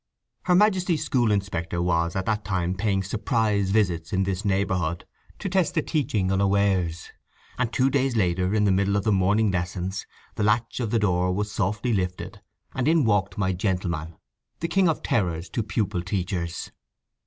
Her Majesty's school inspector was at that time paying "surprise visits" in this neighbourhood to test the teaching unawares; and two days later, in the middle of the morning lessons, the latch of the door was softly lifted, and in walked my gentleman, the king of terrors—to pupil teachers.